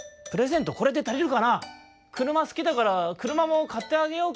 くるますきだからくるまもかってあげようか？」。